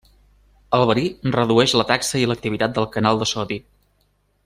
El verí redueix la taxa i l'activitat del canal de sodi.